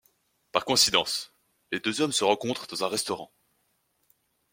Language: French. Par coïncidence, les deux hommes se rencontrent dans un restaurant.